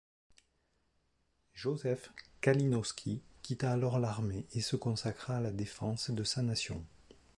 Józef Kalinowski quitta alors l'armée, et se consacra à la défense de sa nation.